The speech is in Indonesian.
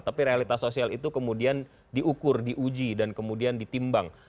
tapi realitas sosial itu kemudian diukur diuji dan kemudian ditimbang